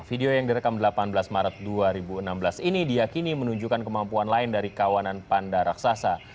video yang direkam delapan belas maret dua ribu enam belas ini diakini menunjukkan kemampuan lain dari kawanan panda raksasa